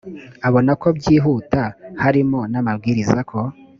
abona ko byihuta harimo n amabwiriza ko